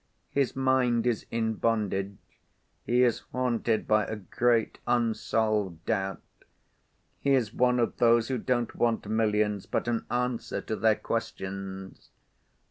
His mind is in bondage. He is haunted by a great, unsolved doubt. He is one of those who don't want millions, but an answer to their questions."